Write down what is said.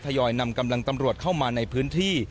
ยอยนำกำลังตำรวจเข้ามาในพื้นที่